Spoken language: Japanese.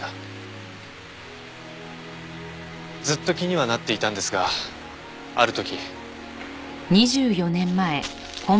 ずっと気にはなっていたんですがある時。